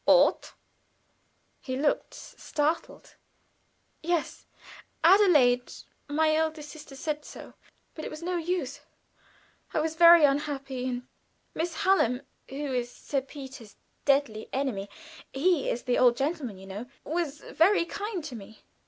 "Ought!" He looked startled. "Yes. Adelaide my eldest sister said so. But it was no use. I was very unhappy, and Miss Hallam, who is Sir Peter's deadly enemy he is the old gentleman, you know was very kind to me.